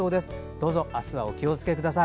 どうぞあすはお気をつけください。